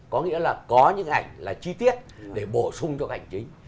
có nghĩa là có những ảnh là chi tiết để bổ sung cho ảnh chính